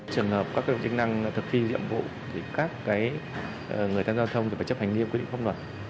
trường hợp các chức năng thực hiện diện vụ các người tham gia giao thông phải chấp hành nghiêm quyết pháp luật